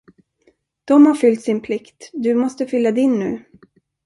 De har fyllt sin plikt, du måste fylla din nu.